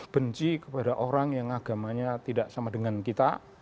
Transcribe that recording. benci kepada orang yang agamanya tidak sama dengan kita